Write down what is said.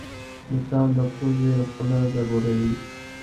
مچان د پوزې خوله ګډوډوي